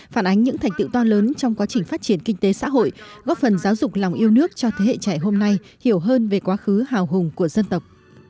phản ánh những thành tựu to lớn trong quá trình phát triển kinh tế xã hội góp phần giáo dục lòng yêu nước cho thế hệ trẻ hôm nay hiểu hơn về quá khứ hào hùng của dân tộc